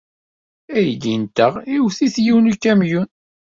Aydi-nteɣ iwet-it yiwen n ukamyun.